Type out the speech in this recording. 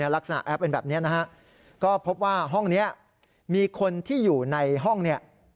ลักษณะแอปเป็นแบบนี้นะฮะก็พบว่าห้องนี้มีคนที่อยู่ในห้องเนี่ย